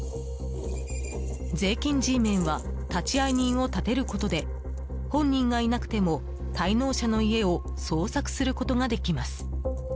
税金Ｇメンは立会人を立てることで本人がいなくても、滞納者の家を捜索することができます。